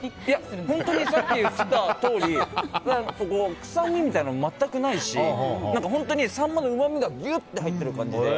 本当に、さっき言ったとおり臭みみたいなのが全くないし本当にサンマのうまみがぎゅって入っている感じで。